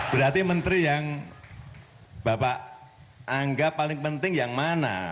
berarti menteri yang bapak anggap paling penting yang mana